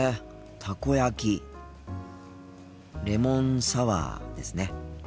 たこ焼きレモンサワーですね。